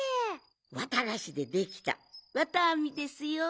わたがしでできたわたアミですよ。